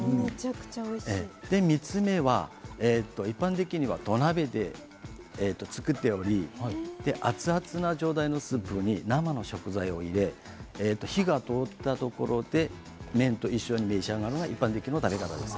３つ目は一般的には土鍋で作っており、アツアツな状態のスープに生の食材を入れ、火が通ったところで麺と一緒に召し上がるのが一般的な食べ方です。